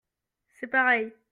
C'est pareil.